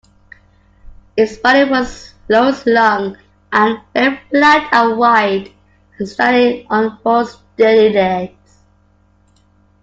Its body was low-slung and very flat and wide, standing on four sturdy legs.